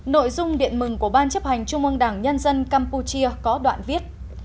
nội dung điện mừng của ban chấp hành trung ương đảng nhân dân campuchia có đoạn viết